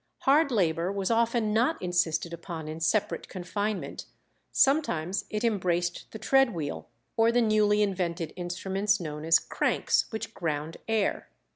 Hard labour was often not insisted upon in separate confinement; sometimes it embraced the tread wheel or the newly invented instruments known as cranks, which ground air.